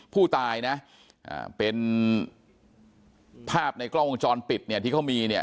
ผู้ตายนะเป็นภาพในกล้องวงจรปิดเนี่ยที่เขามีเนี่ย